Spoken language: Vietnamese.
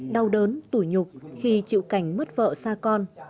đau đớn tủi nhục khi chịu cảnh mất vợ xa con